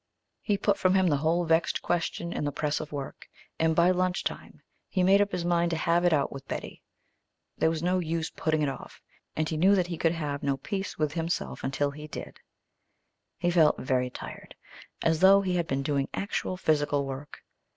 He put from him the whole vexed question in the press of work, and by lunch time he made up his mind to have it out with Betty. There was no use putting it off, and he knew that he could have no peace with himself until he did. He felt very tired as though he had been doing actual physical work.